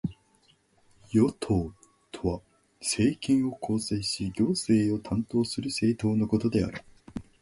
与党とは、政権を構成し行政を担当する政党のことである。